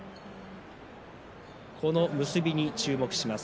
この結びに注目します。